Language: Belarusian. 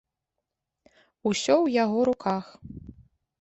Усё ў яго руках!